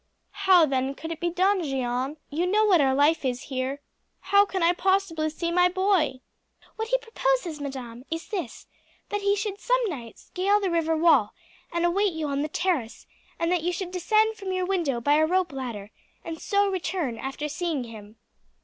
"How then could it be done, Jeanne? You know what our life is here. How can I possibly see my boy?" "What he proposes, madam, is this: that he should some night scale the river wall, and await you on the terrace, and that you should descend from your window by a rope ladder, and so return after seeing him."